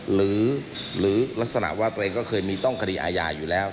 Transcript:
หรือลักษณะว่าตัวเองก็เคยมีต้องคดีอาญาอยู่แล้ว